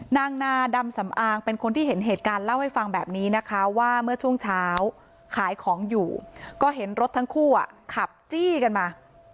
นางนาดำสำอางเป็นคนที่เห็นเหตุการณ์เล่าให้ฟังแบบนี้นะคะว่าเมื่อช่วงเช้าขายของอยู่ก็เห็นรถทั้งคู่ขับจี้กันมา